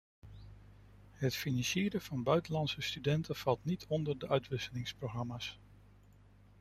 Het financieren van buitenlandse studenten valt niet onder de uitwisselingsprogramma's.